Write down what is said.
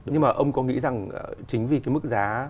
nhưng mà ông có nghĩ rằng chính vì cái mức giá